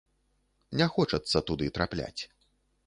Не хочацца туды трапляць.